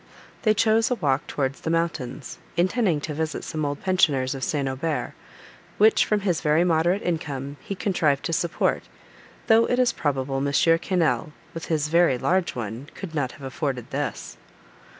They chose a walk towards the mountains, intending to visit some old pensioners of St. Aubert, which, from his very moderate income, he contrived to support, though it is probable M. Quesnel, with his very large one, could not have afforded this.